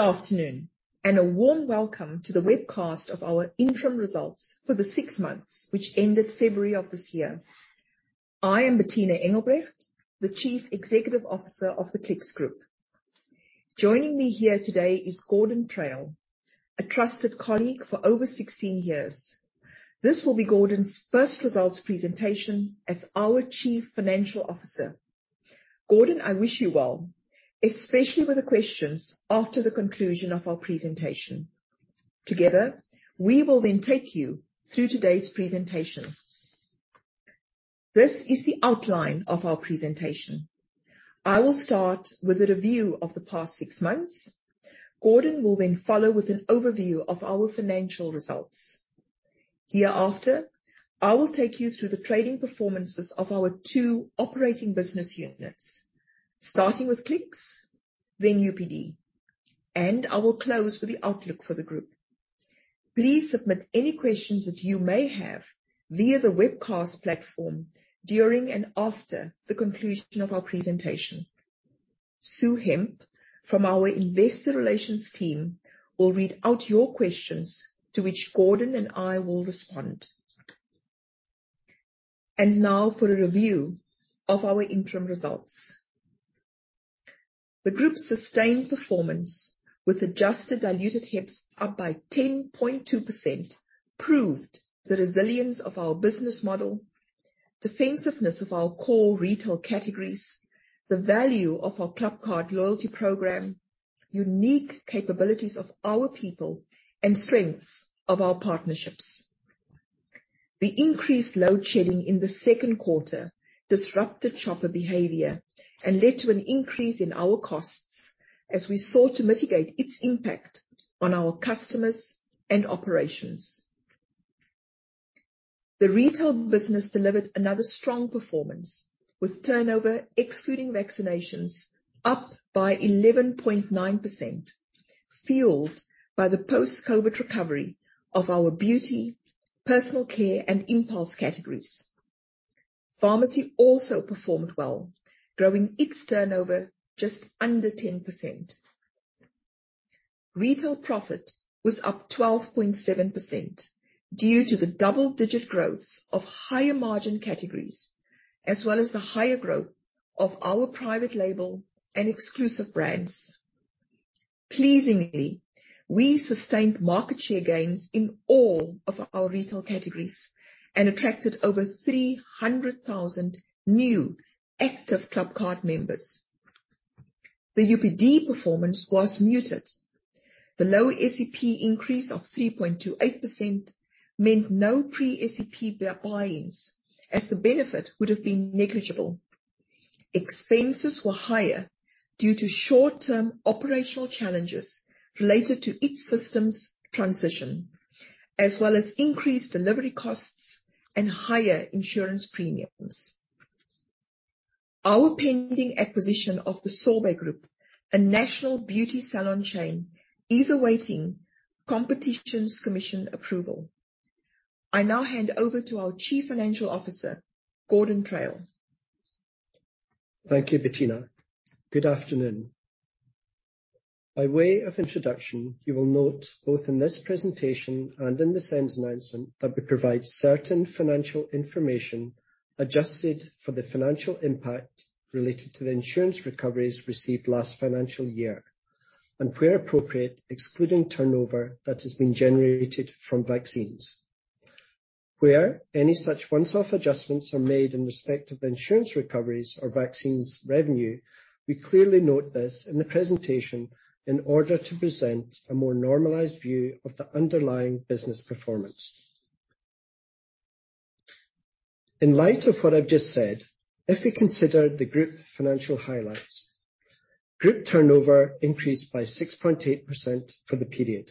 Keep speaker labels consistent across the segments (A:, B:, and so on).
A: Good afternoon, a warm welcome to the webcast of our interim results for the 6 months which ended February of this year. I am Bertina Engelbrecht, the Chief Executive Officer of the Clicks Group. Joining me here today is Gordon Traill, a trusted colleague for over 16 years. This will be Gordon's first results presentation as our Chief Financial Officer. Gordon, I wish you well, especially with the questions after the conclusion of our presentation. Together, we will take you through today's presentation. This is the outline of our presentation. I will start with a review of the past 6 months. Gordon will follow with an overview of our financial results. Hereafter, I will take you through the trading performances of our 2 operating business units, starting with Clicks, then UPD, and I will close with the outlook for the group. Please submit any questions that you may have via the webcast platform during and after the conclusion of our presentation. Sue Hemp from our investor relations team will read out your questions to which Gordon and I will respond. Now for a review of our interim results. The group's sustained performance with adjusted diluted HEPS up by 10.2% proved the resilience of our business model, defensiveness of our core retail categories, the value of our Clicks ClubCard loyalty program, unique capabilities of our people, and strengths of our partnerships. The increased load-shedding in the Q2 disrupted shopper behavior and led to an increase in our costs as we sought to mitigate its impact on our customers and operations. The retail business delivered another strong performance with turnover excluding vaccinations up by 11.9%, fuelled by the post-COVID recovery of our beauty, personal care, and impulse categories. Pharmacy also performed well, growing its turnover just under 10%. Retail profit was up 12.7% due to the double-digit growths of higher margin categories, as well as the higher growth of our private label and exclusive brands. Pleasingly, we sustained market share gains in all of our retail categories and attracted over 300,000 new active Clicks ClubCard members. The UPD performance was muted. The low SEP increase of 3.28% meant no pre-SEP buy-ins as the benefit would have been negligible. Expenses were higher due to short-term operational challenges related to its systems transition, as well as increased delivery costs and higher insurance premiums. Our pending acquisition of the Sorbet Group, a national beauty salon chain, is awaiting Competition Commission approval. I now hand over to our Chief Financial Officer, Gordon Traill.
B: Thank you, Bertina. Good afternoon. By way of introduction, you will note both in this presentation and in the SENS announcement that we provide certain financial information adjusted for the financial impact related to the insurance recoveries received last financial year, and where appropriate, excluding turnover that has been generated from vaccines. Where any such one-off adjustments are made in respect of the insurance recoveries or vaccines revenue, we clearly note this in the presentation in order to present a more normalised view of the underlying business performance. In light of what I've just said, if we consider the group financial highlights, group turnover increased by 6.8% for the period.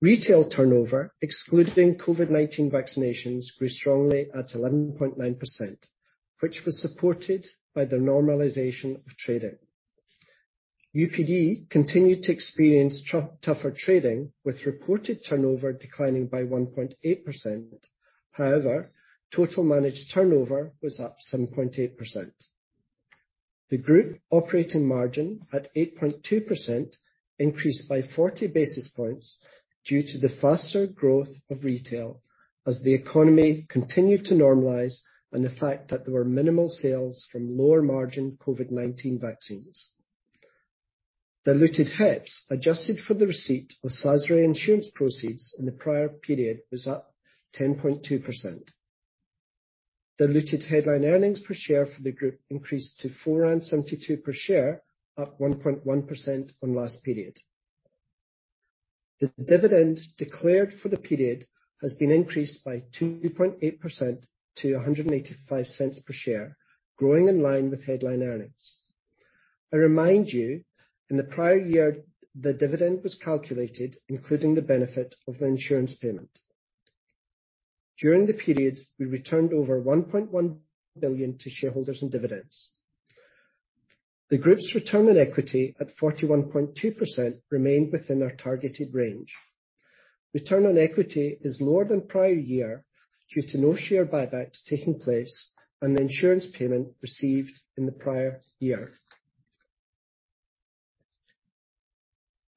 B: Retail turnover, excluding COVID-19 vaccinations, grew strongly at 11.9%, which was supported by the normalisation of trading. UPD continued to experience tougher trading with reported turnover declining by 1.8%. Total managed turnover was up 7.8%. The group operating margin at 8.2% increased by 40 basis points due to the faster growth of retail as the economy continued to normalise and the fact that there were minimal sales from lower margin COVID-19 vaccines. Diluted HEPS, adjusted for the receipt of Sasria insurance proceeds in the prior period, was up 10.2%. Diluted headline earnings per share for the group increased to 4.72 per share, up 1.1% on last period. The dividend declared for the period has been increased by 2.8% to 1.85 per share, growing in line with headline earnings. I remind you, in the prior year, the dividend was calculated including the benefit of the insurance payment. During the period, we returned over 1.1 billion to shareholders and dividends. The group's return on equity at 41.2% remained within our targeted range. Return on equity is lower than prior year due to no share buybacks taking place and the insurance payment received in the prior year.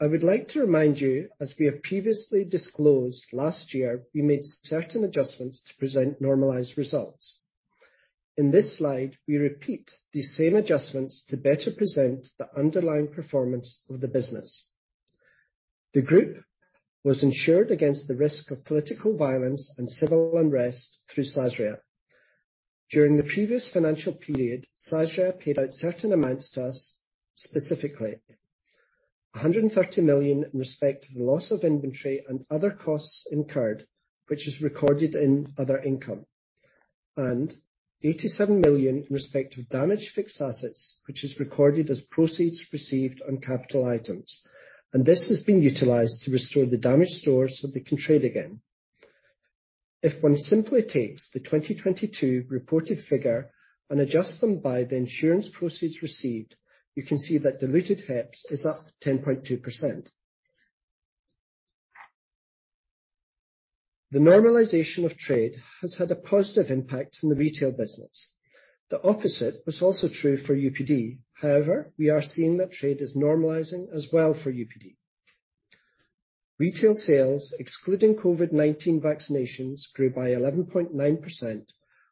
B: I would like to remind you, as we have previously disclosed, last year, we made certain adjustments to present normalised results. In this slide, we repeat the same adjustments to better present the underlying performance of the business. The group was insured against the risk of political violence and civil unrest through Sasria. During the previous financial period, Sasria paid out certain amounts to us, specifically 130 million in respect of the loss of inventory and other costs incurred, which is recorded in other income, and 87 million in respect of damaged fixed assets, which is recorded as proceeds received on capital items. This has been utilised to restore the damaged stores so they can trade again. If one simply takes the 2022 reported figure and adjusts them by the insurance proceeds received, you can see that diluted HEPS is up 10.2%. The normalisation of trade has had a positive impact on the retail business. The opposite was also true for UPD. We are seeing that trade is normalising as well for UPD. Retail sales, excluding COVID-19 vaccinations, grew by 11.9%,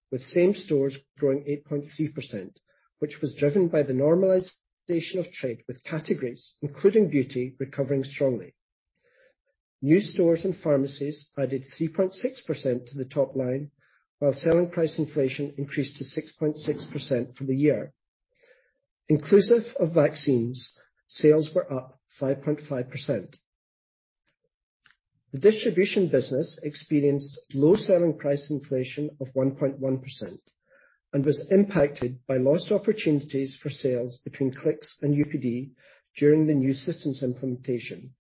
B: with same stores growing 8.3%, which was driven by the normalisation of trade, with categories, including beauty, recovering strongly. New stores and pharmacies added 3.6% to the top line, while selling price inflation increased to 6.6% for the year. Inclusive of vaccines, sales were up 5.5%. The distribution business experienced low selling price inflation of 1.1% and was impacted by lost opportunities for sales between Clicks and UPD during the new systems implementation.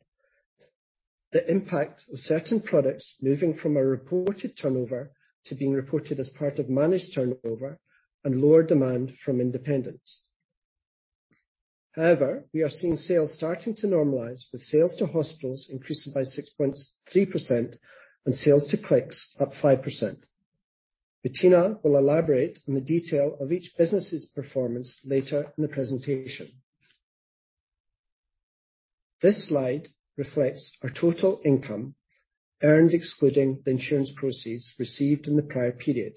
B: The impact of certain products moving from a reported turnover to being reported as part of managed turnover and lower demand from independents. We are seeing sales starting to normalise, with sales to hospitals increasing by 6.3% and sales to Clicks up 5%. Bertina will elaborate on the detail of each business's performance later in the presentation. This slide reflects our total income earned, excluding the insurance proceeds received in the prior period,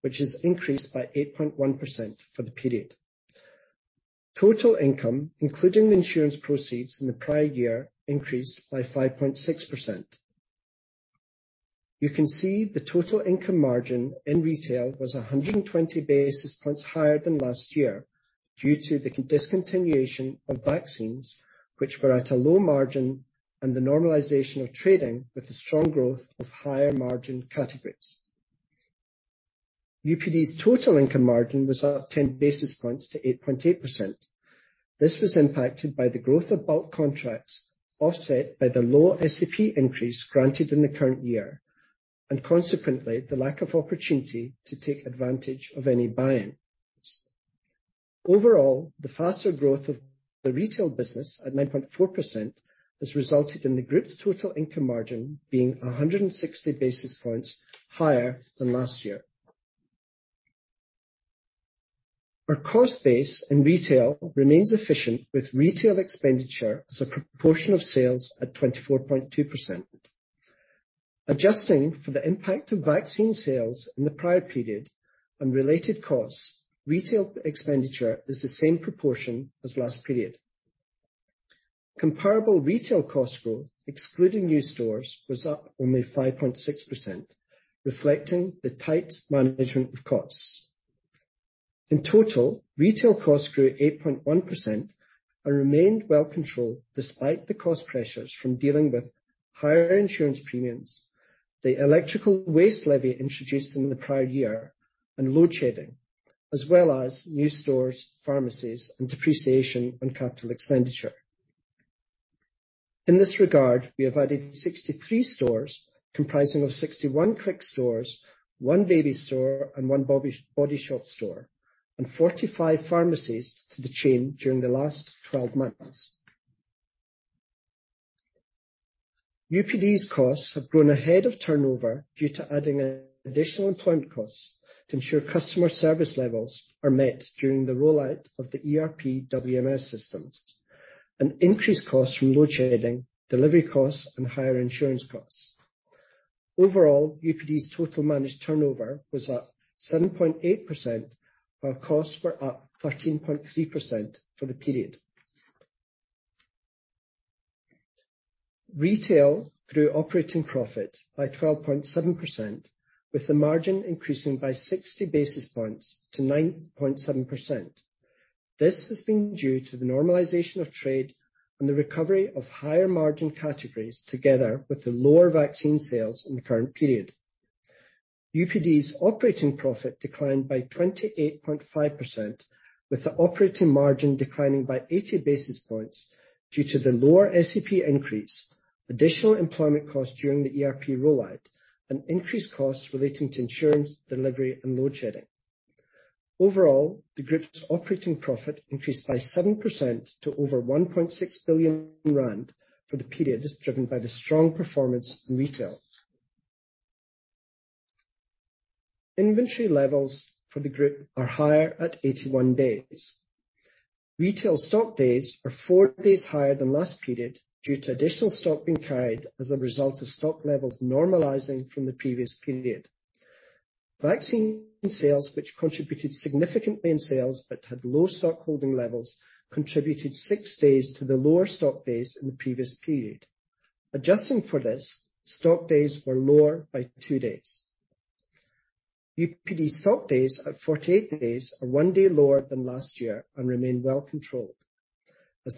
B: which has increased by 8.1% for the period. Total income, including the insurance proceeds in the prior year, increased by 5.6%. You can see the total income margin in retail was 120 basis points higher than last year due to the discontinuation of vaccines, which were at a low margin, and the normalisation of trading with the strong growth of higher margin categories. UPD's total income margin was up 10 basis points to 8.8%. This was impacted by the growth of bulk contracts, offset by the lower SEP increase granted in the current year and consequently, the lack of opportunity to take advantage of any buy-ins. Overall, the faster growth of the retail business at 9.4% has resulted in the group's total income margin being 160 basis points higher than last year. Our cost base in retail remains efficient, with retail expenditure as a proportion of sales at 24.2%. Adjusting for the impact of vaccine sales in the prior period and related costs, retail expenditure is the same proportion as last period. Comparable retail cost growth, excluding new stores, was up only 5.6%, reflecting the tight management of costs. In total, retail costs grew 8.1% and remained well controlled despite the cost pressures from dealing with higher insurance premiums, the electrical waste levy introduced in the prior year and load-shedding, as well as new stores, pharmacies and depreciation on capital expenditure. In this regard, we have added 63 stores comprising of 61 Clicks stores, one Baby Store, and one The Body Shop store, and 45 pharmacies to the chain during the last 12 months. UPD's costs have grown ahead of turnover due to adding additional employment costs to ensure customer service levels are met during the rollout of the ERP WMS systems and increased costs from load-shedding, delivery costs and higher insurance costs. Overall, UPD's total managed turnover was up 7.8%, while costs were up 13.3% for the period. Retail grew operating profit by 12.7%, with the margin increasing by 60 basis points to 9.7%. This has been due to the normalisation of trade and the recovery of higher margin categories, together with the lower vaccine sales in the current period. UPD's operating profit declined by 28.5%, with the operating margin declining by 80 basis points due to the lower SAP increase, additional employment costs during the ERP rollout and increased costs relating to insurance, delivery and load-shedding. Overall, the group's operating profit increased by 7% to over 1.6 billion rand for the period, driven by the strong performance in retail. Inventory levels for the group are higher at 81 days. Retail stock days are 4 days higher than last period due to additional stock being carried as a result of stock levels normalising from the previous period. Vaccine sales, which contributed significantly in sales but had low stockholding levels, contributed 6 days to the lower stock days in the previous period. Adjusting for this, stock days were lower by 2 days. UPD stock days at 48 days are one day lower than last year and remain well controlled.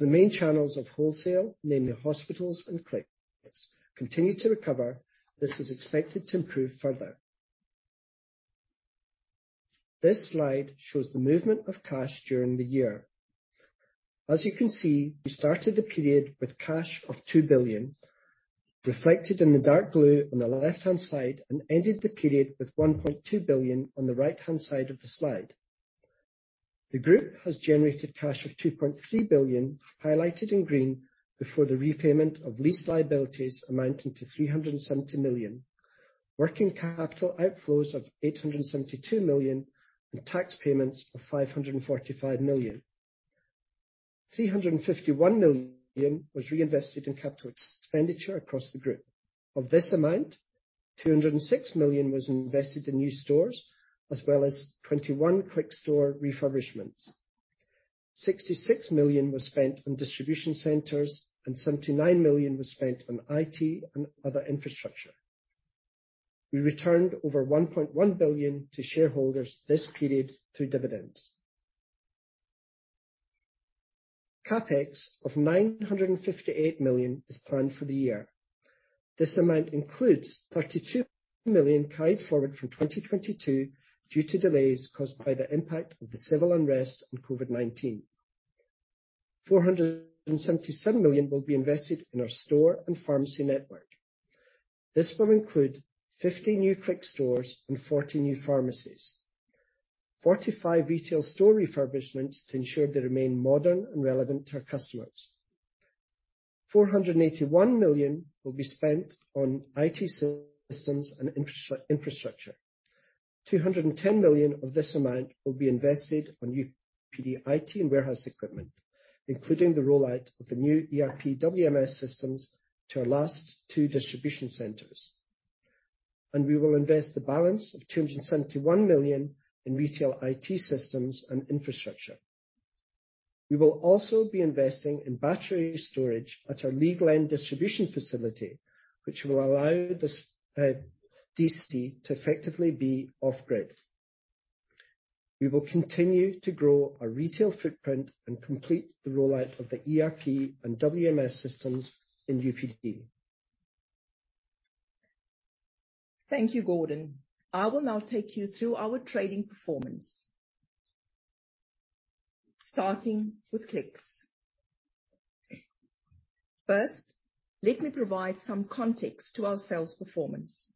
B: The main channels of wholesale, namely hospitals and Clicks, continue to recover, this is expected to improve further. This slide shows the movement of cash during the year. You can see, we started the period with cash of 2 billion, reflected in the dark blue on the left-hand side, and ended the period with 1.2 billion on the right-hand side of the slide. The group has generated cash of 2.3 billion, highlighted in green, before the repayment of lease liabilities amounting to 370 million, working capital outflows of 872 million, and tax payments of 545 million. 351 million was reinvested in CapEx across the group. Of this amount, 206 million was invested in new stores as well as 21 Clicks store refurbishments. 66 million was spent on distribution centres, and 79 million was spent on IT and other infrastructure. We returned over 1.1 billion to shareholders this period through dividends. CapEx of 958 million is planned for the year. This amount includes 32 million carried forward from 2022 due to delays caused by the impact of the civil unrest on COVID-19. 477 million will be invested in our store and pharmacy network. This will include 50 new Clicks stores and 40 new pharmacies. 45 retail store refurbishments to ensure they remain modern and relevant to our customers. 481 million will be spent on IT systems and infrastructure. 210 million of this amount will be invested on UPD IT and warehouse equipment, including the rollout of the new ERP WMS systems to our last two distribution centres. We will invest the balance of 271 million in retail IT systems and infrastructure. We will also be investing in battery storage at our Lea Glen distribution facility, which will allow this DC to effectively be off grid. We will continue to grow our retail footprint and complete the rollout of the ERP and WMS systems in UPD.
A: Thank you, Gordon. I will now take you through our trading performance, starting with Clicks. First, let me provide some context to our sales performance.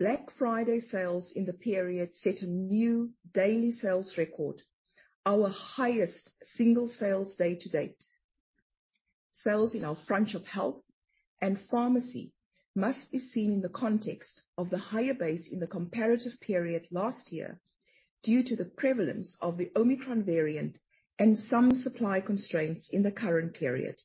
A: Black Friday sales in the period set a new daily sales record, our highest single sales day to date. Sales in our Front of House Health and Pharmacy must be seen in the context of the higher base in the comparative period last year due to the prevalence of the Omicron variant and some supply constraints in the current period.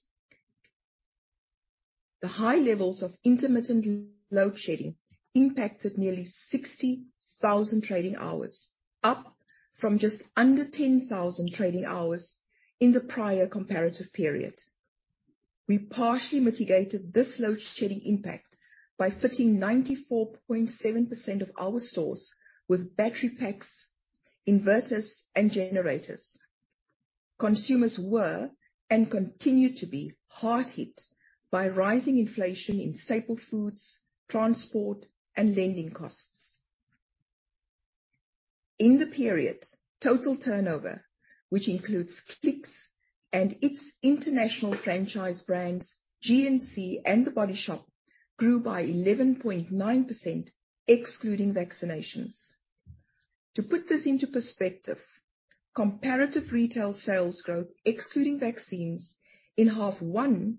A: The high levels of intermittent load-shedding impacted nearly 60,000 trading hours, up from just under 10,000 trading hours in the prior comparative period. We partially mitigated this load-shedding impact by fitting 94.7% of our stores with battery packs, inverters, and generators. Consumers were, and continue to be, hard hit by rising inflation in staple foods, transport, and lending costs. In the period, total turnover, which includes Clicks and its international franchise brands, GNC and The Body Shop, grew by 11.9% excluding vaccinations. To put this into perspective, comparative retail sales growth, excluding vaccines, in H1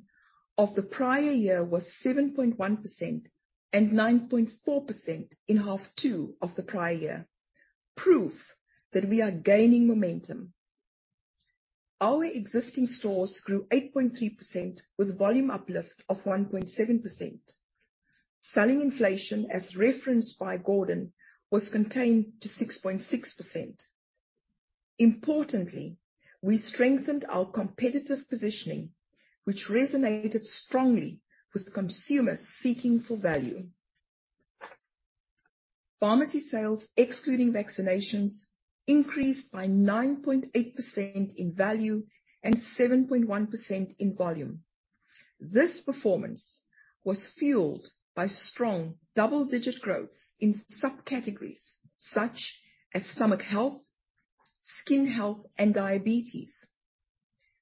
A: of the prior year was 7.1% and 9.4% in H2 of the prior year. Proof that we are gaining momentum. Our existing stores grew 8.3% with volume uplift of 1.7%. Selling inflation, as referenced by Gordon, was contained to 6.6%. Importantly, we strengthened our competitive positioning, which resonated strongly with consumers seeking for value. Pharmacy sales, excluding vaccinations, increased by 9.8% in value and 7.1% in volume. This performance was fueled by strong double-digit growths in subcategories such as stomach health, skin health, and diabetes.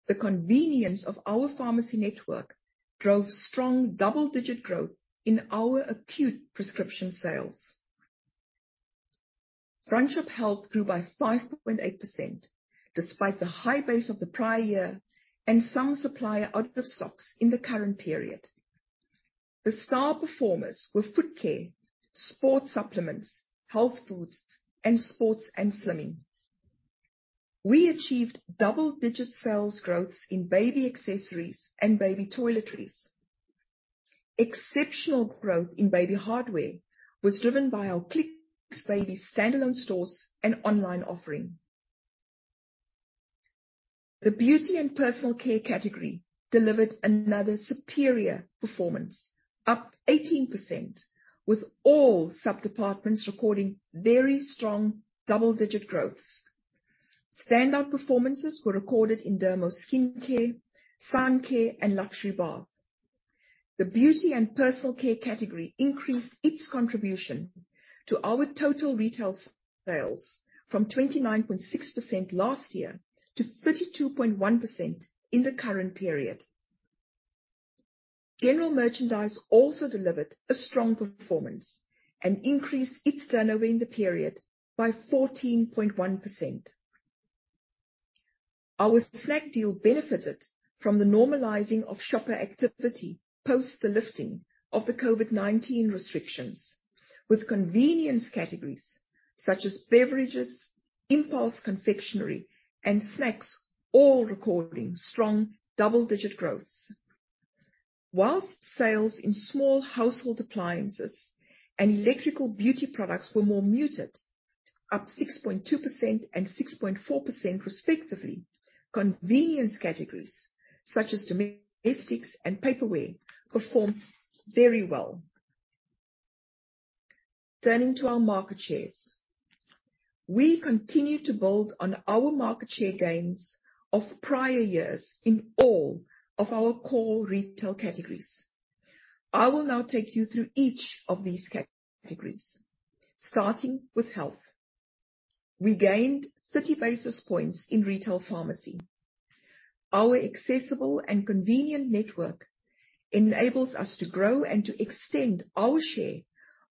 A: The convenience of our pharmacy network drove strong double-digit growth in our acute prescription sales. Front shop health grew by 5.8% despite the high base of the prior year and some supplier out of stocks in the current period. The star performers were foot care, sports supplements, health foods and sports and slimming. We achieved double-digit sales growths in baby accessories and baby toiletries. Exceptional growth in baby hardware was driven by our Clicks Baby standalone stores and online offering. The beauty and personal care category delivered another superior performance, up 18%, with all sub-departments recording very strong double-digit growths. Standout performances were recorded in derma skincare, sun care and luxury bath. The beauty and personal care category increased its contribution to our total retail sales from 29.6% last year to 32.1% in the current period. General merchandise also delivered a strong performance and increased its turnover in the period by 14.1%. Our Snackdeal benefited from the normalising of shopper activity post the lifting of the COVID-19 restrictions, with convenience categories such as beverages, impulse confectionery and snacks all recording strong double-digit growths. Whilst sales in small household appliances and electrical beauty products were more muted, up 6.2% and 6.4% respectively, convenience categories such as domestics and paper-ware performed very well. Turning to our market shares. We continue to build on our market share gains of prior years in all of our core retail categories. I will now take you through each of these categories, starting with health. We gained 30 basis points in retail pharmacy. Our accessible and convenient network enables us to grow and to extend our share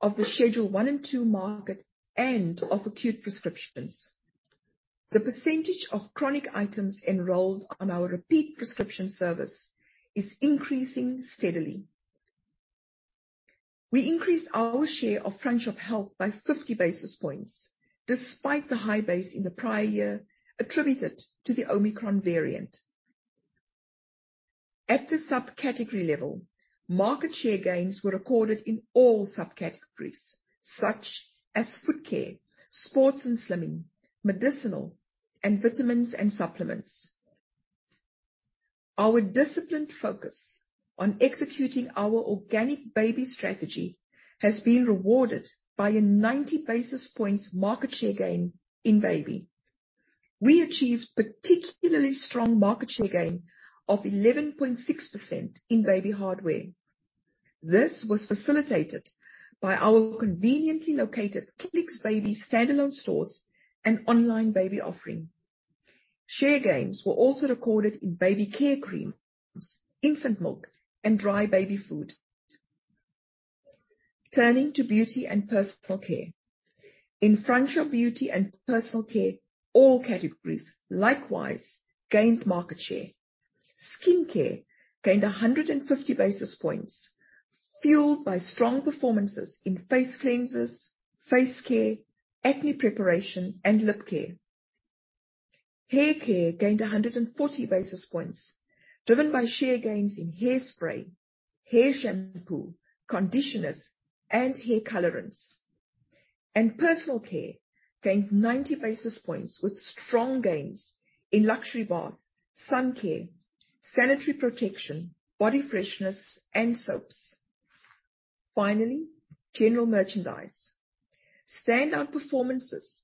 A: of the Schedule 1 and 2 market and of acute prescriptions. The percentage of chronic items enrolled on our repeat prescription service is increasing steadily. We increased our share of front shop health by 50 basis points despite the high base in the prior year attributed to the Omicron variant. At the subcategory level, market share gains were recorded in all subcategories such as foot care, sports and slimming, medicinal and vitamins and supplements. Our disciplined focus on executing our organic baby strategy has been rewarded by a 90 basis points market share gain in baby. We achieved particularly strong market share gain of 11.6% in baby hardware. This was facilitated by our conveniently located Clicks Baby standalone stores and online baby offering. Share gains were also recorded in baby care creams, infant milk and dry baby food. Turning to beauty and personal care. In front shop beauty and personal care, all categories likewise gained market share. Skincare gained 150 basis points, fueled by strong performances in face cleansers, face care, acne preparation and lip care. Hair care gained 140 basis points, driven by share gains in hairspray, hair shampoo, conditioners and hair colorants. Personal care gained 90 basis points with strong gains in luxury bath, sun care, sanitary protection, body freshness and soaps. Finally, general merchandise. Standout performances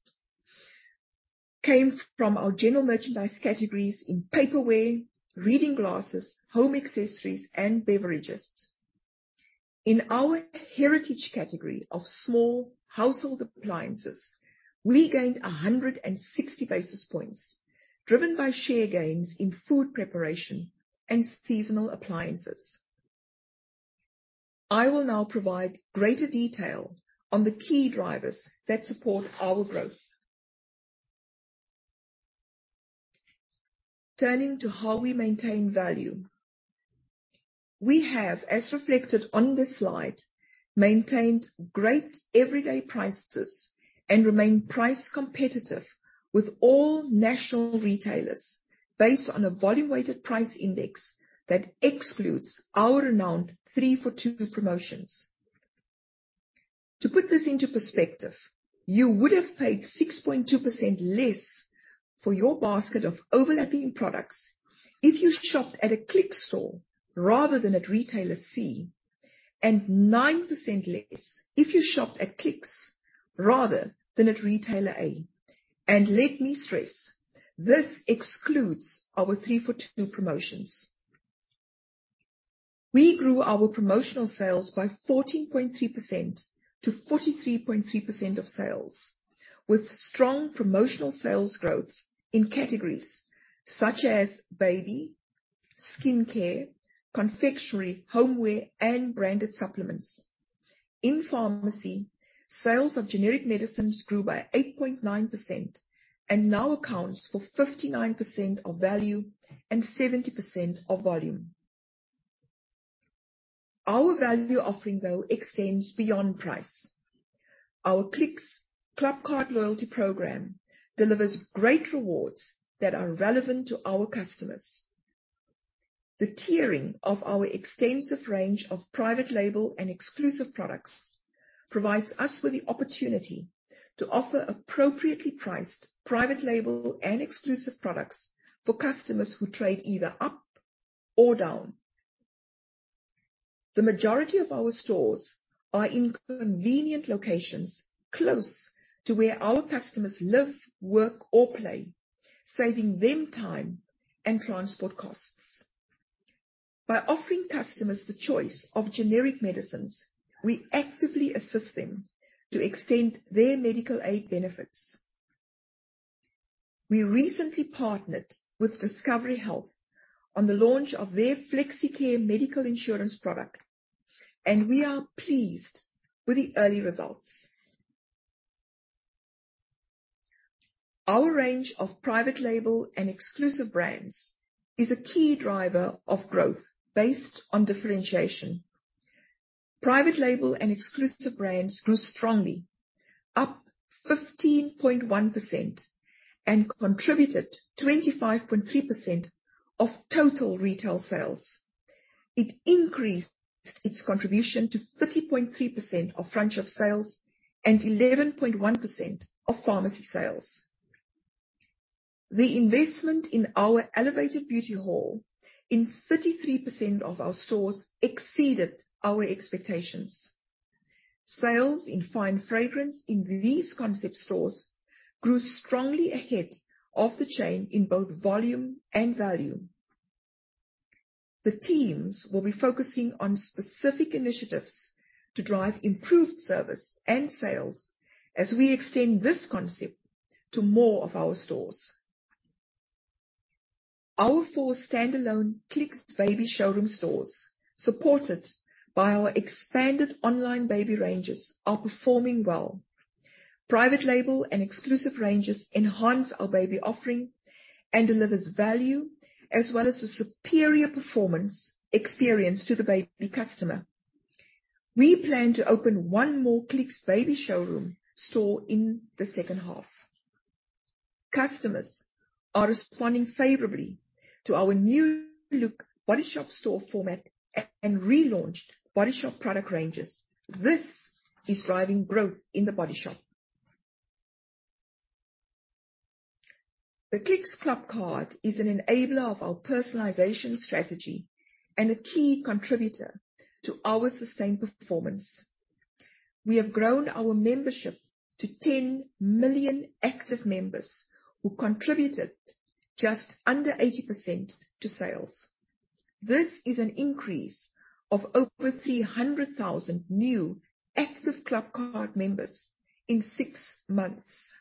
A: came from our general merchandise categories in paperware, reading glasses, home accessories and beverages. In our heritage category of small household appliances, we gained 160 basis points driven by share gains in food preparation and seasonal appliances. I will now provide greater detail on the key drivers that support our growth. Turning to how we maintain value. We have, as reflected on this slide, maintained great everyday prices and remain price competitive with all national retailers based on a volume weighted price index that excludes our renowned three for two promotions. To put this into perspective, you would have paid 6.2% less for your basket of overlapping products if you shopped at a Clicks store rather than at retailer C, and 9% less if you shopped at Clicks rather than at retailer A. Let me stress, this excludes our 3 for 2 promotions. We grew our promotional sales by 14.3% to 43.3% of sales, with strong promotional sales growth in categories such as baby, skincare, confectionary, homeware, and branded supplements. In pharmacy, sales of generic medicines grew by 8.9% and now accounts for 59% of value and 70% of volume. Our value offering, though, extends beyond price. Our Clicks ClubCard loyalty program delivers great rewards that are relevant to our customers. The tiering of our extensive range of private label and exclusive products provides us with the opportunity to offer appropriately priced private label and exclusive products for customers who trade either up or down. The majority of our stores are in convenient locations close to where our customers live, work, or play, saving them time and transport costs. By offering customers the choice of generic medicines, we actively assist them to extend their medical aid benefits. We recently partnered with Discovery Health on the launch of their Flexicare medical insurance product. We are pleased with the early results. Our range of private label and exclusive brands is a key driver of growth based on differentiation. Private label and exclusive brands grew strongly, up 15.1% and contributed 25.3% of total retail sales. It increased its contribution to 30.3% of front shop sales and 11.1% of pharmacy sales. The investment in our elevated beauty hall in 33% of our stores exceeded our expectations. Sales in fine fragrance in these concept stores grew strongly ahead of the chain in both volume and value. The teams will be focusing on specific initiatives to drive improved service and sales as we extend this concept to more of our stores. Our 4 standalone Clicks Baby showroom stores, supported by our expanded online baby ranges, are performing well. Private label and exclusive ranges enhance our baby offering and delivers value as well as a superior performance experience to the baby customer. We plan to open 1 more Clicks Baby showroom store in the H2. Customers are responding favourably to our new look The Body Shop store format and relaunched The Body Shop product ranges. This is driving growth in The Body Shop. The Clicks ClubCard is an enabler of our personalisation strategy and a key contributor to our sustained performance. We have grown our membership to 10 million active members who contributed just under 80% to sales. This is an increase of over 300,000 new active ClubCard members in six months.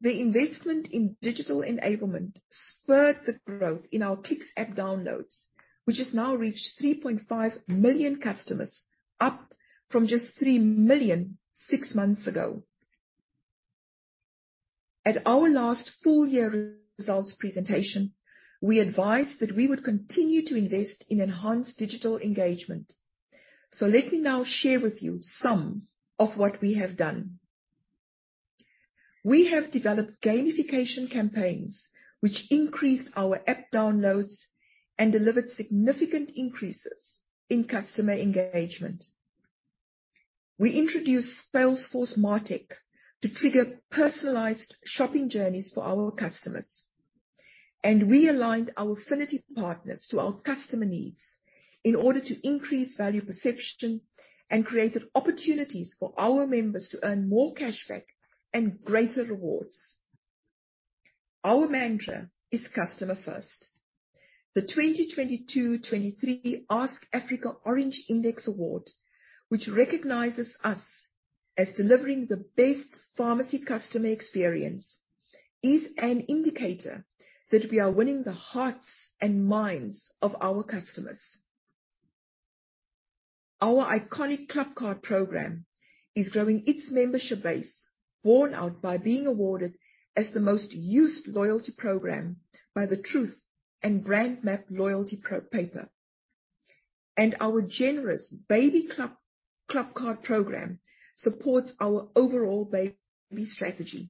A: The investment in digital enablement spurred the growth in our Clicks app downloads, which has now reached 3.5 million customers, up from just 3 million six months ago. At our last full year results presentation, we advised that we would continue to invest in enhanced digital engagement. Let me now share with you some of what we have done. We have developed gamification campaigns which increased our app downloads and delivered significant increases in customer engagement. We introduced Salesforce MarTech to trigger personalised shopping journeys for our customers, and realigned our affinity partners to our customer needs in order to increase value perception and created opportunities for our members to earn more cash-back and greater rewards. Our mantra is customer first. The 2022/2023 Ask Afrika Orange Index Award, which recognises us as delivering the best pharmacy customer experience, is an indicator that we are winning the hearts and minds of our customers. Our iconic ClubCard program is growing its membership base, borne out by being awarded as the most used loyalty program by the Truth & BrandMapp Loyalty Whitepaper. Our generous Baby ClubCard program supports our overall baby strategy.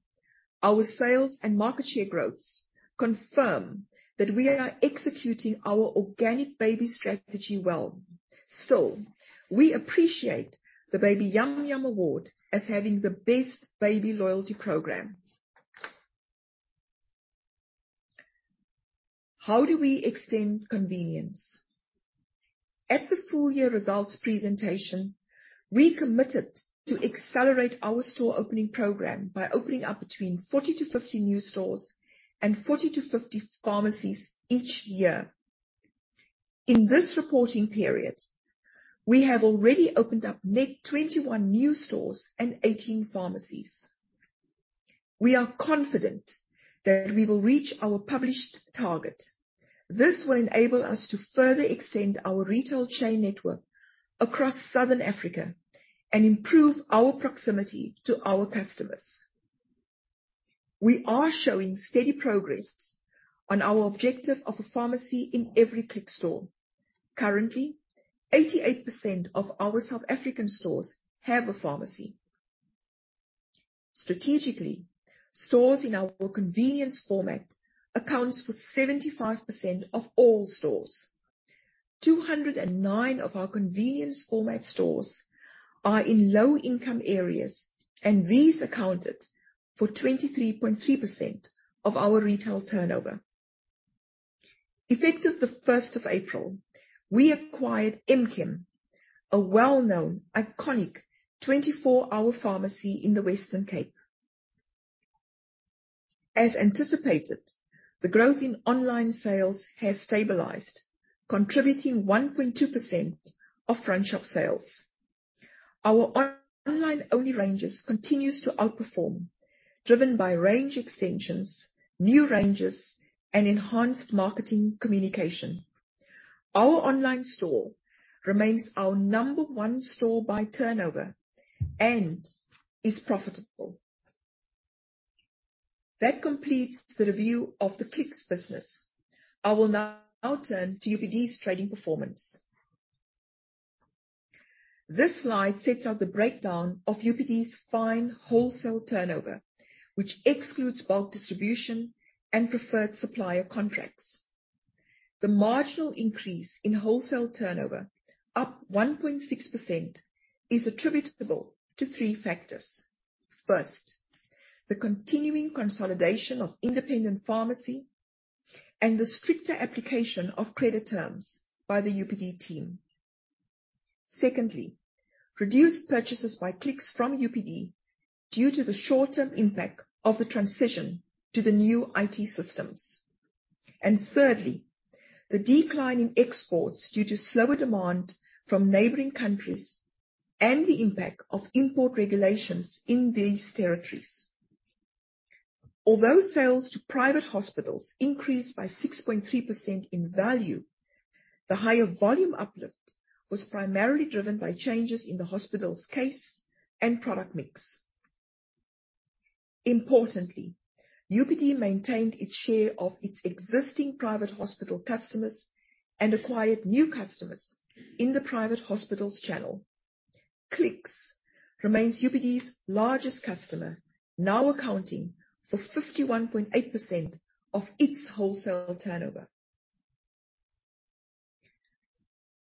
A: Our sales and market share growths confirm that we are executing our organic baby strategy well. We appreciate the Baby Yum Yum Award as having the best baby loyalty program. How do we extend convenience? At the full year results presentation, we committed to accelerate our store opening program by opening up between 40 to 50 new stores and 40 to 50 pharmacies each year. In this reporting period, we have already opened up net 21 new stores and 18 pharmacies. We are confident that we will reach our published target. This will enable us to further extend our retail chain network across Southern Africa and improve our proximity to our customers. We are showing steady progress on our objective of a pharmacy in every Clicks store. Currently, 88% of our South African stores have a pharmacy. Strategically, stores in our convenience format accounts for 75% of all stores. 209 of our convenience format stores are in low income areas, and these accounted for 23.3% of our retail turnover. Effective the 1st of April, we acquired M-KEM, a well-known iconic 24-hour pharmacy in the Western Cape. As anticipated, the growth in online sales has stabilised, contributing 1.2% of front shop sales. Our online-only ranges continues to outperform, driven by range extensions, new ranges and enhanced marketing communication. Our online store remains our number one store by turnover and is profitable. That completes the review of the Clicks business. I will now turn to UPD's trading performance. This slide sets out the breakdown of UPD's fine wholesale turnover, which excludes bulk distribution and preferred supplier contracts. The marginal increase in wholesale turnover, up 1.6%, is attributable to three factors. First, the continuing consolidation of independent pharmacy and the stricter application of credit terms by the UPD team. Secondly, reduced purchases by Clicks from UPD due to the short-term impact of the transition to the new IT systems. Thirdly, the decline in exports due to slower demand from neighbouring countries and the impact of import regulations in these territories. Although sales to private hospitals increased by 6.3% in value, the higher volume uplift was primarily driven by changes in the hospital's case and product mix. Importantly, UPD maintained its share of its existing private hospital customers and acquired new customers in the private hospitals channel. Clicks remains UPD's largest customer, now accounting for 51.8% of its wholesale turnover.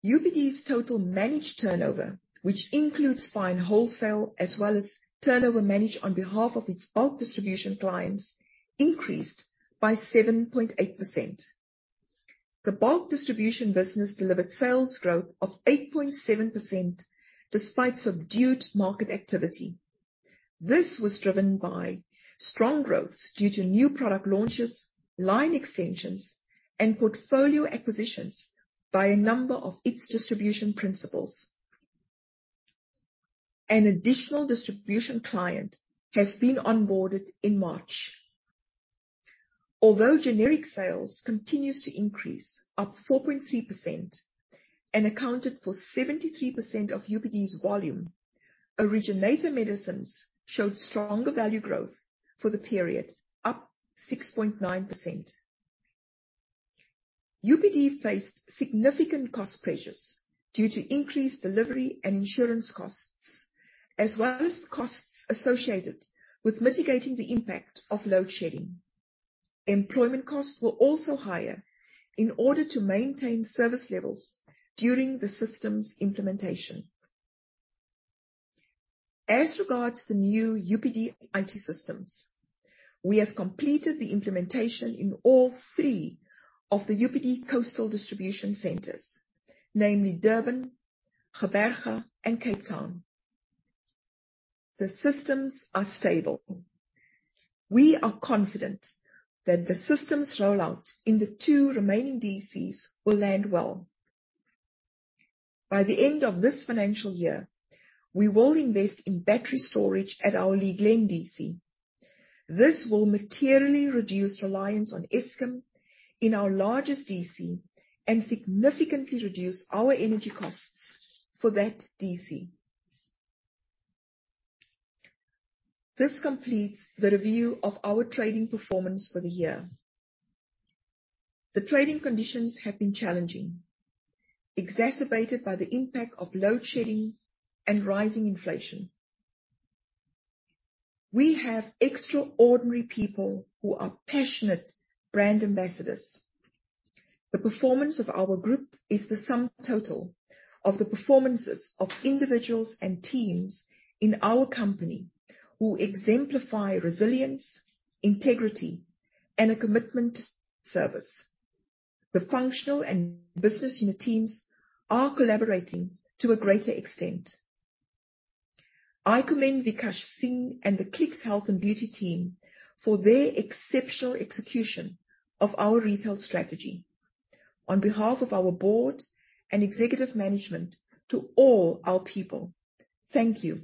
A: UPD's total managed turnover, which includes fine wholesale as well as turnover managed on behalf of its bulk distribution clients, increased by 7.8%. The bulk distribution business delivered sales growth of 8.7% despite subdued market activity. This was driven by strong growth due to new product launches, line extensions and portfolio acquisitions by a number of its distribution principals. An additional distribution client has been onboarded in March. Although generic sales continues to increase, up 4.3% and accounted for 73% of UPD's volume, originator medicines showed stronger value growth for the period, up 6.9%. UPD faced significant cost pressures due to increased delivery and insurance costs, as well as costs associated with mitigating the impact of load-shedding. Employment costs were also higher in order to maintain service levels during the systems implementation. As regards to the new UPD IT systems, we have completed the implementation in all 3 of the UPD coastal distribution centres, namely Durban, Gqeberha, and Cape Town. The systems are stable. We are confident that the systems rollout in the 2 remaining DCs will land well. By the end of this financial year, we will invest in battery storage at our Lea Glen DC. This will materially reduce reliance on Eskom in our largest DC and significantly reduce our energy costs for that DC. This completes the review of our trading performance for the year. The trading conditions have been challenging, exacerbated by the impact of load-shedding and rising inflation. We have extraordinary people who are passionate brand ambassadors. The performance of our group is the sum total of the performances of individuals and teams in our company who exemplify resilience, integrity and a commitment to service. The functional and business unit teams are collaborating to a great extent. I commend Vikash Singh and the Clicks Health and Beauty team for their exceptional execution of our retail strategy. On behalf of our board and executive management to all our people, thank you.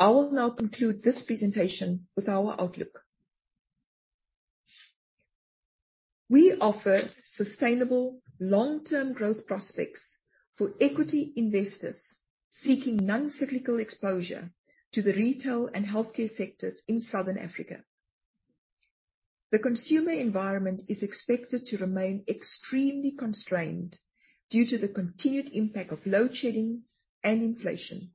A: I will now conclude this presentation with our outlook. We offer sustainable long-term growth prospects for equity investors seeking non-cyclical exposure to the retail and healthcare sectors in Southern Africa. The consumer environment is expected to remain extremely constrained due to the continued impact of load-shedding and inflation.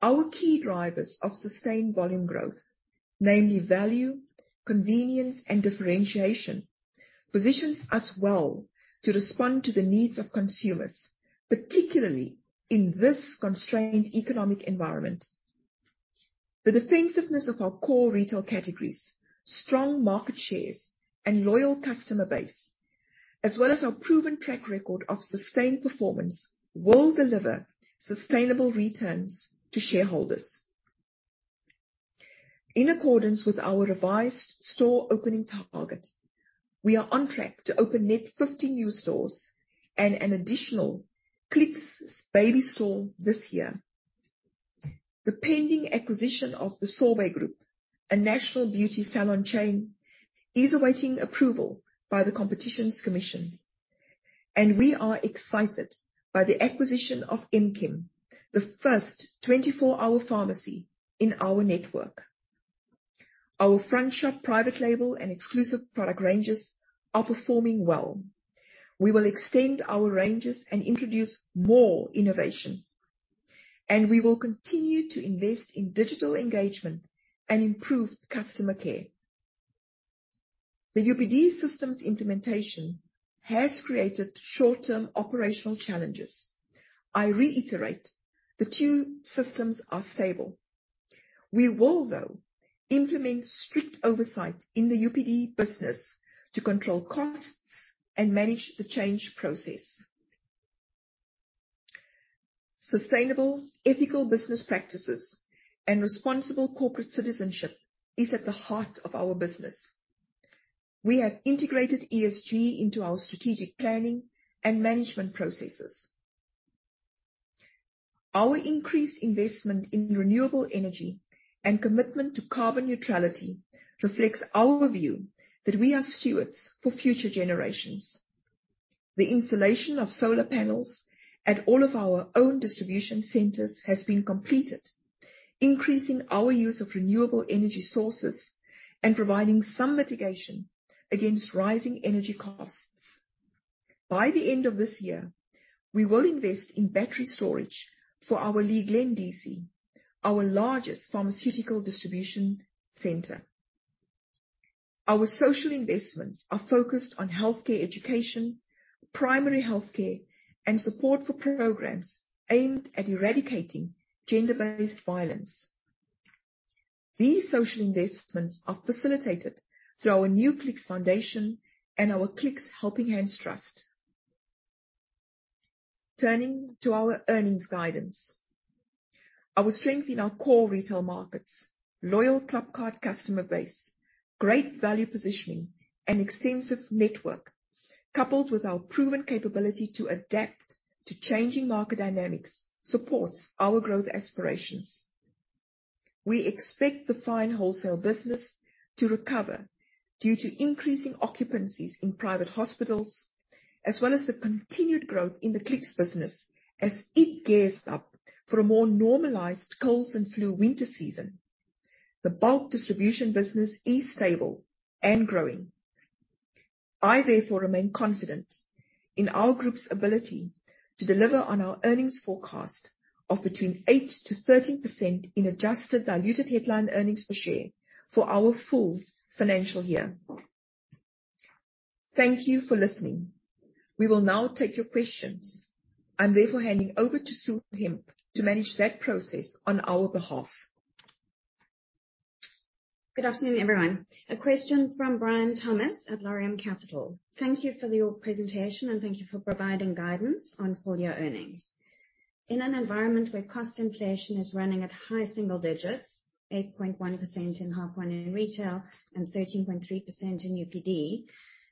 A: Our key drivers of sustained volume growth, namely value, convenience and differentiation, positions us well to respond to the needs of consumers, particularly in this constrained economic environment. The defensiveness of our core retail categories, strong market shares and loyal customer base, as well as our proven track record of sustained performance, will deliver sustainable returns to shareholders. In accordance with our revised store opening target, we are on track to open net 50 new stores and an additional Clicks Baby store this year. The pending acquisition of the Sorbet Group, a national beauty salon chain, is awaiting approval by the Competition Commission. We are excited by the acquisition of M-KEM, the first 24-hour pharmacy in our network. Our front shop private label and exclusive product ranges are performing well. We will extend our ranges and introduce more innovation. We will continue to invest in digital engagement and improve customer care. The UPD systems implementation has created short-term operational challenges. I reiterate the two systems are stable. We will, though, implement strict oversight in the UPD business to control costs and manage the change process. Sustainable ethical business practices and responsible corporate citizenship is at the heart of our business. We have integrated ESG into our strategic planning and management processes. Our increased investment in renewable energy and commitment to carbon neutrality reflects our view that we are stewards for future generations. The installation of solar panels at all of our own distribution centres has been completed, increasing our use of renewable energy sources and providing some mitigation against rising energy costs. By the end of this year, we will invest in battery storage for our Lea Glen DC, our largest pharmaceutical distribution center. Our social investments are focused on healthcare, education, primary health care and support for programs aimed at eradicating gender-based violence. These social investments are facilitated through our new Clicks Foundation and our Clicks Helping Hands Trust. Turning to our earnings guidance. Our strength in our core retail markets, loyal ClubCard customer base, great value positioning and extensive network, coupled with our proven capability to adapt to changing market dynamics, supports our growth aspirations. We expect the Fine Wholesale business to recover due to increasing occupancies in private hospitals, as well as the continued growth in the Clicks business as it gears up for a more normalised colds and flu winter season. The bulk distribution business is stable and growing. I therefore remain confident in our group's ability to deliver on our earnings forecast of between 8% to 13% in adjusted diluted headline earnings per share for our full financial year. Thank you for listening. We will now take your questions. I'm therefore handing over to Sue Hemp to manage that process on our behalf.
C: Good afternoon, everyone. A question from Brian Thomas at Laurium Capital. Thank you for your presentation, and thank you for providing guidance on full-year earnings. In an environment where cost inflation is running at high single digits, 8.1% in H1 in retail and 13.3% in UPD,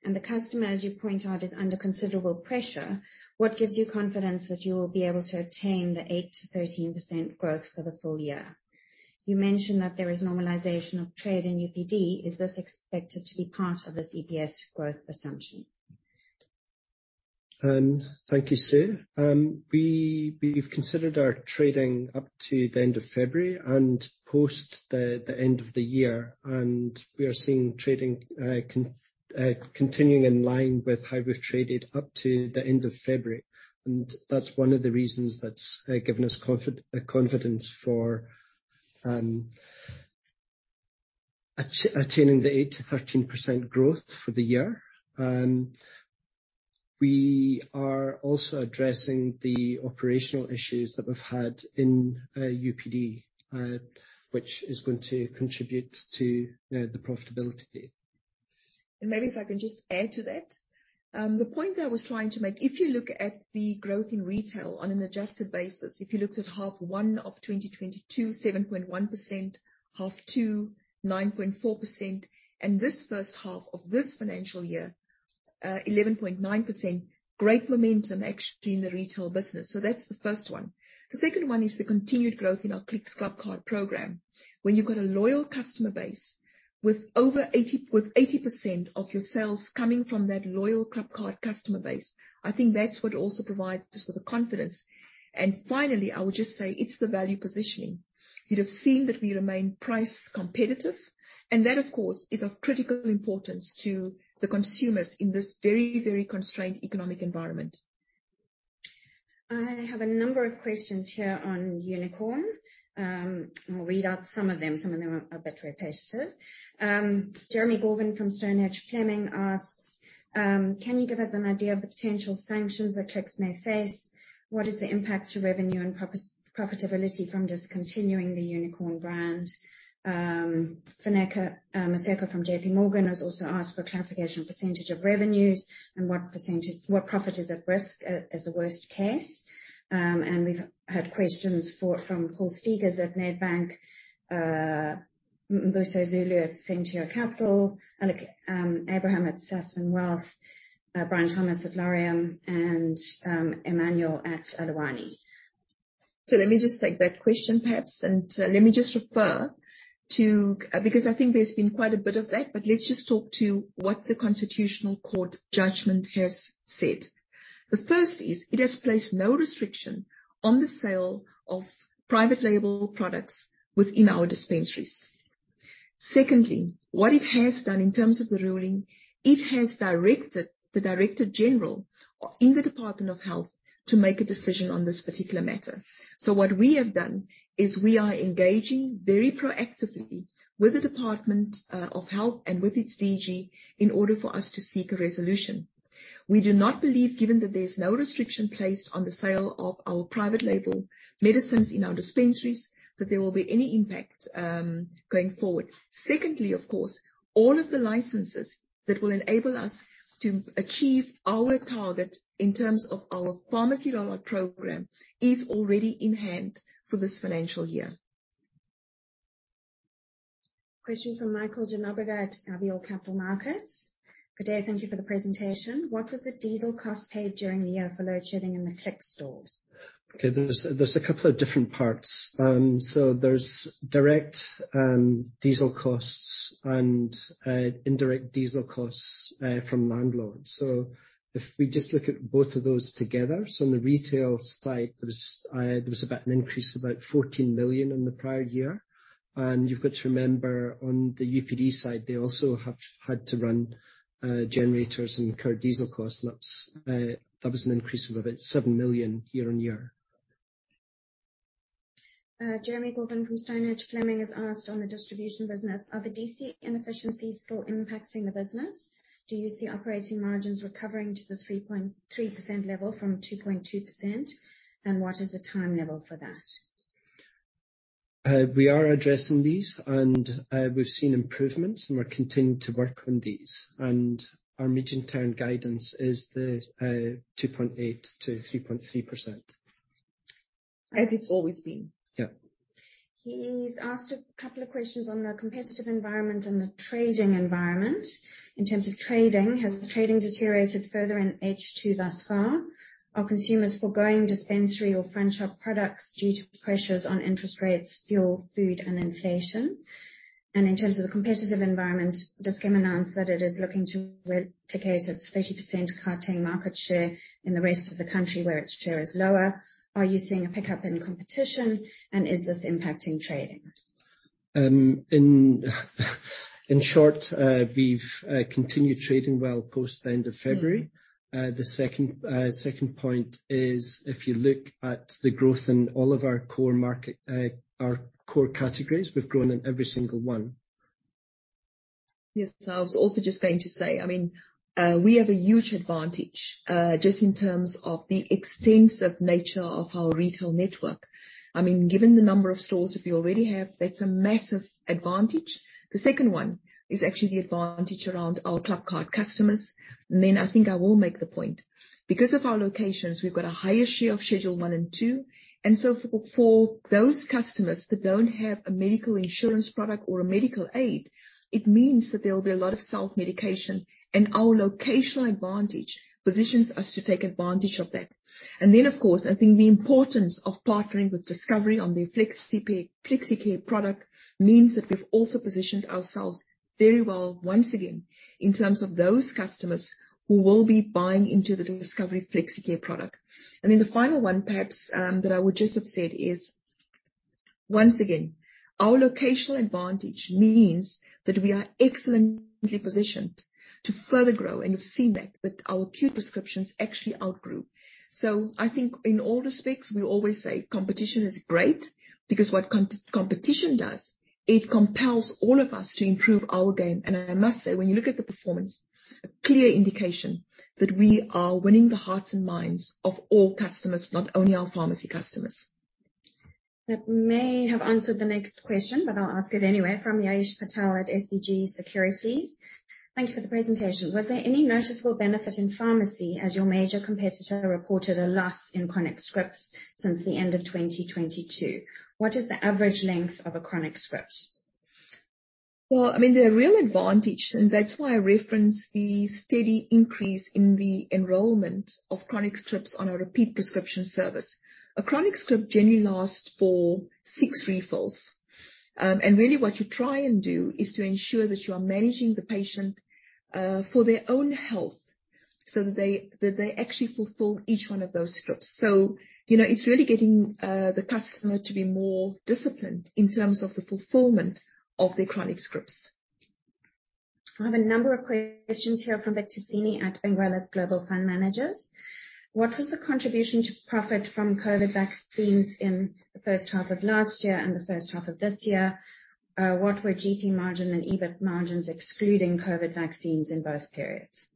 C: and the customer, as you point out, is under considerable pressure, what gives you confidence that you will be able to obtain the 8% to 13% growth for the full year? You mentioned that there is normalisation of trade in UPD. Is this expected to be part of this EPS growth assumption?
B: Thank you, Sue. We've considered our trading up to the end of February and post the end of the year, we are seeing trading continuing in line with how we've traded up to the end of February, and that's one of the reasons that's given us confidence for attaining the 8% to 13% growth for the year. We are also addressing the operational issues that we've had in UPD, which is going to contribute to the profitability.
A: Maybe if I can just add to that. The point I was trying to make, if you look at the growth in retail on an adjusted basis, if you looked at H1 of 2022, 7.1%, H2, 9.4%, and this H1 of this financial year, 11.9%, great momentum actually in the retail business. That's the first one. The second one is the continued growth in our Clicks ClubCard program. When you've got a loyal customer base with over 80% of your sales coming from that loyal ClubCard customer base, I think that's what also provides us with the confidence. Finally, I would just say it's the value positioning. You'd have seen that we remain price competitive, and that, of course, is of critical importance to the consumers in this very, very constrained economic environment.
C: I have a number of questions here on Unicorn. I'll read out some of them. Some of them are a bit repetitive. Jeremy Gorvin from Stonehage Fleming asks, "Can you give us an idea of the potential sanctions that Clicks may face? What is the impact to revenue and profitability from discontinuing the Unicorn brand?" Funeka Mashego from J.P. Morgan has also asked for clarification on percentage of revenues and what profit is at risk as a worst case. We've had questions from Paul Steegers at Nedbank, Mbuso Zulu at Sentio Capital, Alec Abraham at Sasfin Wealth, Brian Thomas at Laurium, and Emmanuel at Aluwani.
A: Let me just take that question, perhaps, and let's just talk to what the Constitutional Court judgment has said. The first is, it has placed no restriction on the sale of private label products within our dispensaries. Secondly, what it has done in terms of the ruling, it has directed the director general in the Department of Health to make a decision on this particular matter. What we have done is we are engaging very proactively with the Department of Health and with its DG in order for us to seek a resolution. We do not believe, given that there is no restriction placed on the sale of our private label medicines in our dispensaries, that there will be any impact going forward. Secondly, of course, all of the licenses that will enable us to achieve our target in terms of our pharmacy rollout program is already in hand for this financial year.
C: Question from Michael Geraghty at Avior Capital Markets. "Good day, thank you for the presentation. What was the diesel cost paid during the year for load-shedding in the Clicks stores?
B: Okay. There's a couple of different parts. There's direct diesel costs and indirect diesel costs from landlords. If we just look at both of those together, on the retail side, there was about an increase of about 14 million in the prior year. You've got to remember on the UPD side, they also have had to run generators and incur diesel costs. That was an increase of about 7 million YoY.
C: Jeremy Gorvin from Stonehage Fleming has asked on the distribution business, "Are the DC inefficiencies still impacting the business? Do you see operating margins recovering to the 3.3% level from 2.2%? What is the time level for that?
B: We are addressing these, and we've seen improvements and we're continuing to work on these. Our mid-term guidance is the 2.8% to 3.3%.
A: As it's always been.
B: Yeah.
C: He's asked a couple of questions on the competitive environment and the trading environment. In terms of trading, has trading deteriorated further in H2 thus far? Are consumers foregoing dispensary or franchise products due to pressures on interest rates, fuel, food, and inflation? In terms of the competitive environment, Dis-Chem announced that it is looking to replicate its 30% dispensing market share in the rest of the country where its share is lower. Are you seeing a pickup in competition? Is this impacting trading?
B: In short, we've continued trading well post the end of February. The second point is, if you look at the growth in all of our core market, our core categories, we've grown in every single one.
A: Yes. I was also just going to say, I mean, we have a huge advantage just in terms of the extensive nature of our retail network. I mean, given the number of stores that we already have, that's a massive advantage. The second one is actually the advantage around our ClubCard customers. Then I think I will make the point. Because of our locations, we've got a higher share of Schedule One and Two, for those customers that don't have a medical insurance product or a medical aid, it means that there will be a lot of self-medication, and our locational advantage positions us to take advantage of that. Of course, I think the importance of partnering with Discovery on the Flexicare product means that we've also positioned ourselves very well once again, in terms of those customers who will be buying into the Discovery Flexicare product. The final one perhaps, that I would just have said is, once again, our locational advantage means that we are excellently positioned to further grow, and we've seen that our queue prescriptions actually outgrew. I think in all respects, we always say competition is great because what competition does. It compels all of us to improve our game. I must say, when you look at the performance, a clear indication that we are winning the hearts and minds of all customers, not only our pharmacy customers.
C: That may have answered the next question, but I'll ask it anyway. From Ya'eesh Patel at SBG Securities. Thank you for the presentation. Was there any noticeable benefit in pharmacy as your major competitor reported a loss in chronic scripts since the end of 2022? What is the average length of a chronic script?
A: Well, I mean, the real advantage. That's why I referenced the steady increase in the enrollment of chronic scripts on our repeat prescription service. A chronic script generally lasts for 6 refills. Really what you try and do is to ensure that you are managing the patient for their own health so that they actually fulfill each one of those scripts. You know, it's really getting the customer to be more disciplined in terms of the fulfillment of their chronic scripts.
C: I have a number of questions here from Victor Sini at Benguela Global Fund Managers. What was the contribution to profit from COVID vaccines in the H1 of last year and the H1 of this year? What were GP margin and EBIT margins excluding COVID vaccines in both periods?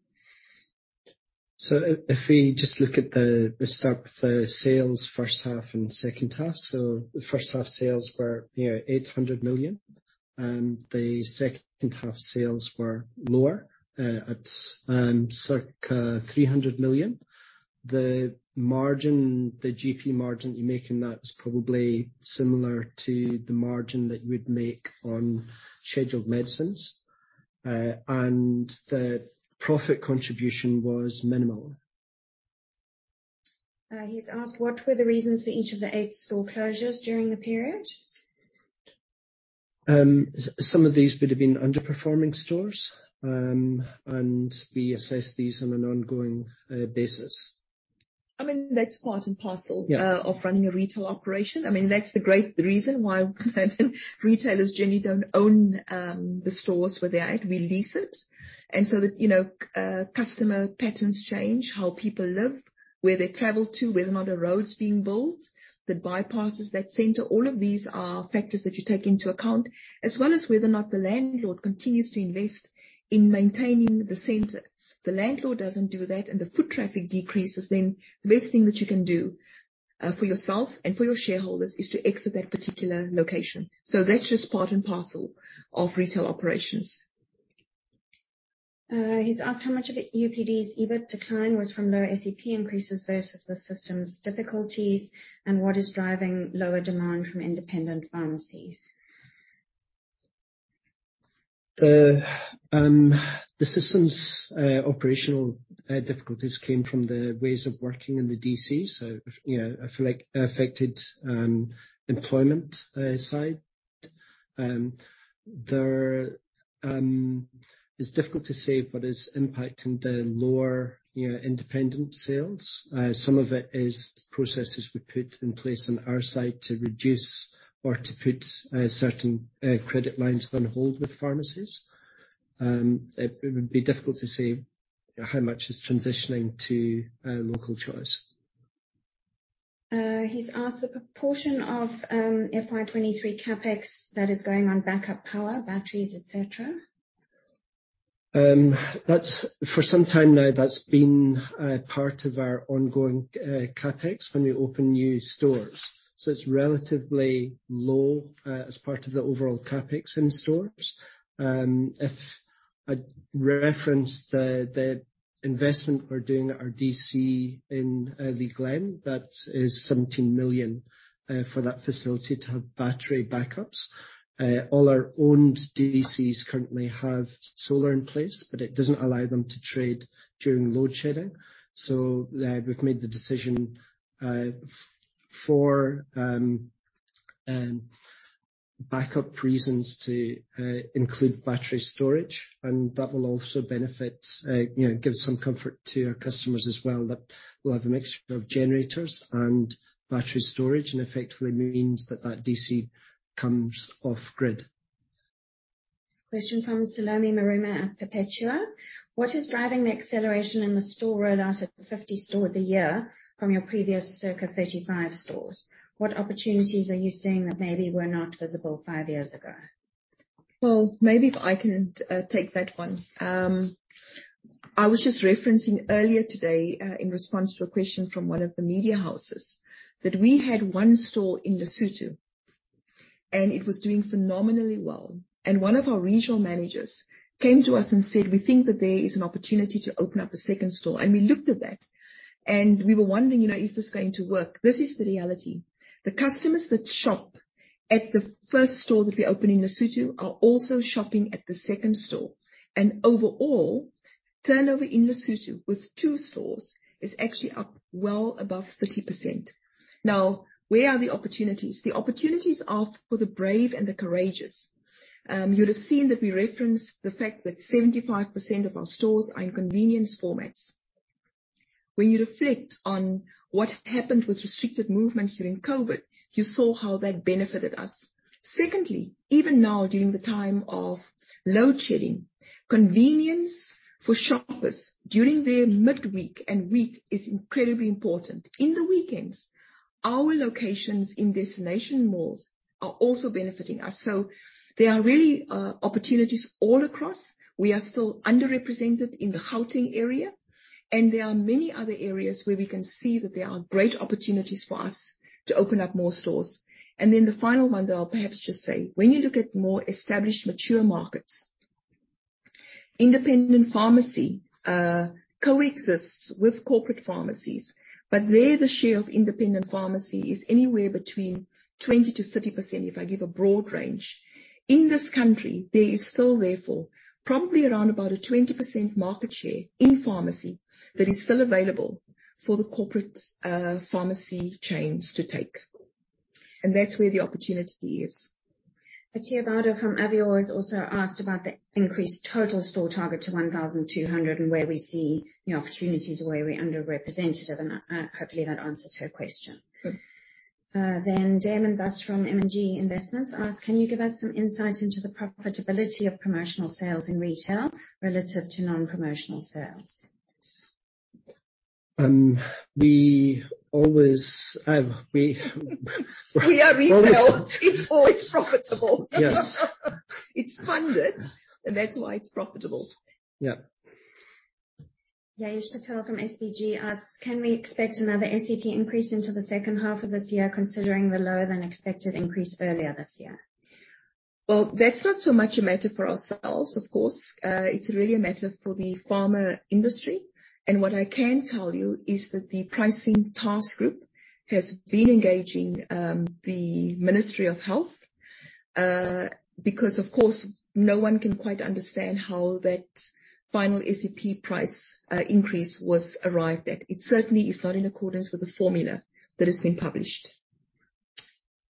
B: If we just look at we start with the sales H1 and H2. The H1 sales were 800 million, and the H2 sales were lower, at circa 300 million. The margin, the GP margin you make in that is probably similar to the margin that you would make on scheduled medicines. The profit contribution was minimal.
C: He's asked what were the reasons for each of the 8 store closures during the period.
B: Some of these would have been underperforming stores. We assess these on an ongoing basis.
A: I mean, that's part and parcel.
B: Yeah.
A: of running a retail operation. I mean, that's the great reason why retailers generally don't own the stores where they're at, we lease it. you know, customer patterns change, how people live, where they travel to, whether or not a road's being built that bypasses that centre. All of these are factors that you take into account, as well as whether or not the landlord continues to invest in maintaining the centre. The landlord doesn't do that, and the foot traffic decreases, then the best thing that you can do for yourself and for your shareholders is to exit that particular location. That's just part and parcel of retail operations.
C: He's asked how much of UPD's EBIT decline was from lower SEP increases versus the system's difficulties, and what is driving lower demand from independent pharmacies.
B: The system's operational difficulties came from the ways of working in the DC, you know, I feel like affected employment side. It's difficult to say what is impacting the lower, you know, independent sales. Some of it is processes we put in place on our side to reduce or to put certain credit lines on hold with pharmacies. It would be difficult to say how much is transitioning to Local Choice.
C: He's asked the proportion of FY 23 CapEx that is going on backup power, batteries, et cetera.
B: For some time now, that's been part of our ongoing CapEx when we open new stores. It's relatively low as part of the overall CapEx in stores. If I reference the investment we're doing at our D.C. in Lea Glen, that is 17 million for that facility to have battery backups. All our owned D.C.s currently have solar in place, but it doesn't allow them to trade during load-shedding. We've made the decision for backup reasons to include battery storage. That will also benefit, you know, give some comfort to our customers as well, that we'll have a mixture of generators and battery storage. Effectively means that that D.C. comes off grid.
C: Question from Salome Maruma at Perpetua. What is driving the acceleration in the store rollout at 50 stores a year from your previous circa 35 stores? What opportunities are you seeing that maybe were not visible 5 years ago?
A: Maybe if I can, take that 1. I was just referencing earlier today, in response to a question from one of the media houses, that we had 1 store in Lesotho, and it was doing phenomenally well. One of our regional managers came to us and said, "We think that there is an opportunity to open up a 2nd store." We looked at that, and we were wondering, you know, "Is this going to work?" This is the reality. The customers that shop at the 1st store that we opened in Lesotho are also shopping at the 2nd store. Overall, turnover in Lesotho with 2 stores is actually up well above 30%. Where are the opportunities? The opportunities are for the brave and the courageous. You'd have seen that we referenced the fact that 75% of our stores are in convenience formats. When you reflect on what happened with restricted movements during COVID, you saw how that benefited us. Secondly, even now during the time of load-shedding, convenience for shoppers, during their midweek and week is incredibly important. In the weekends, our locations in destination malls are also benefiting us. There are really, opportunities all across. We are still underrepresented in the Gauteng area, and there are many other areas where we can see that there are great opportunities for us to open up more stores. The final one that I'll perhaps just say, when you look at more established mature markets, independent pharmacy, coexists with corporate pharmacies, but there the share of independent pharmacy is anywhere between 20% to 30%, if I give a broad range. In this country, there is still therefore probably around about a 20% market share in pharmacy that is still available for the corporate, pharmacy chains to take. That's where the opportunity is.
C: Atiyyah Vawda from Avior has also asked about the increased total store target to 1,200, and where we see new opportunities where we're underrepresented. Hopefully, that answers her question.
A: Good.
C: Damon Buss from M&G Investments asked, "Can you give us some insight into the profitability of promotional sales in retail relative to non-promotional sales?
A: Um, we always have... We We are retail. It's always profitable.
B: Yes.
A: It's funded, and that's why it's profitable. Yeah.
C: Yash Patel from SBG asks, "Can we expect another SEP increase into the H2 of this year, considering the lower than expected increase earlier this year?
A: Well, that's not so much a matter for ourselves, of course. It's really a matter for the pharma industry. What I can tell you is that the pricing task group has been engaging, the Ministry of Health, because of course, no one can quite understand how that final SEP price, increase was arrived at. It certainly is not in accordance with the formula that has been published.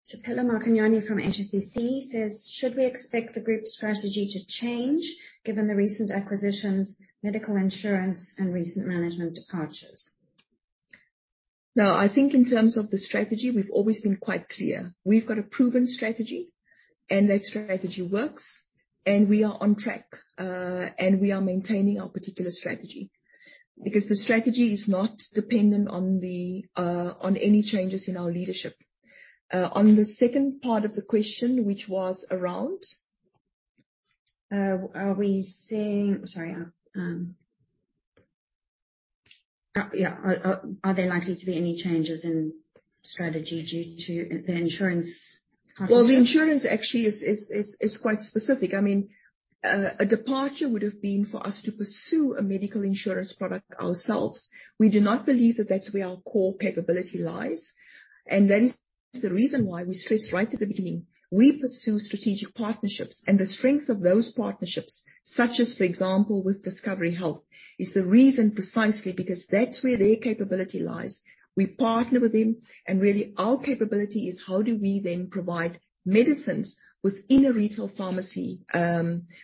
C: Sepela Makanyane from HSBC says, "Should we expect the group's strategy to change given the recent acquisitions, medical insurance and recent management departures?
A: No. I think in terms of the strategy, we've always been quite clear. We've got a proven strategy, and that strategy works, and we are on track. We are maintaining our particular strategy. The strategy is not dependent on any changes in our leadership. On the second part of the question, which was around.
C: Yeah. Are there likely to be any changes in strategy due to the insurance partnership?
A: Well, the insurance actually is quite specific. I mean, a departure would have been for us to pursue a medical insurance product ourselves. We do not believe that that's where our core capability lies, and that is the reason why we stressed right at the beginning, we pursue strategic partnerships and the strength of those partnerships, such as, for example, with Discovery Health, is the reason precisely because that's where their capability lies. We partner with them, and really our capability is how do we then provide medicines within a retail pharmacy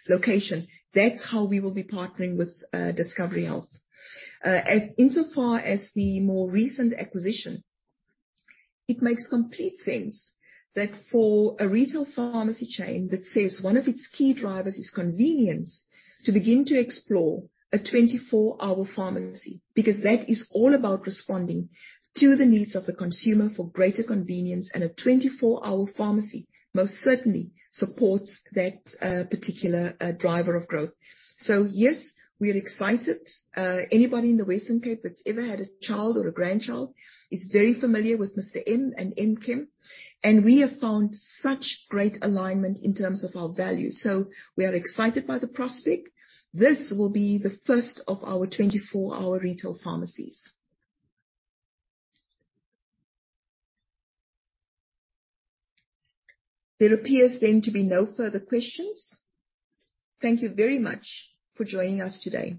A: location. That's how we will be partnering with Discovery Health. As insofar as the more recent acquisition, it makes complete sense that for a retail pharmacy chain that says one of its key drivers is convenience to begin to explore a 24-hour pharmacy, because that is all about responding to the needs of the consumer for greater convenience and a 24-hour pharmacy most certainly supports that particular driver of growth. Yes, we are excited. Anybody in the Western Cape that's ever had a child or a grandchild is very familiar with Mr. M and M-KEM, and we have found such great alignment in terms of our values. We are excited by the prospect. This will be the first of our 24-hour retail pharmacies. There appears then to be no further questions. Thank you very much for joining us today.